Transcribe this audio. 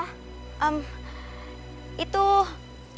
itu bangkit tikus yang tadi pagi saya kubur